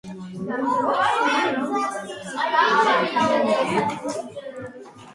ამ ქალაქში მდებარეობდა უმაღლესი სასწავლებელი, რომელშიც არაბი კალიგრაფები სწორედ ამ დამწერლობის ფორმას იყენებდნენ.